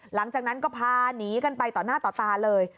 หลังจากนั้นก็พาหนีกันไปต่อหน้าต่อตาเลย